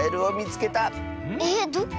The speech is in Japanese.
えっどこ？